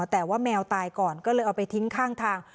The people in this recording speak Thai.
แต่ว่าแมวตายก่อนก็เลยเอาไปทิ้งข้างทาง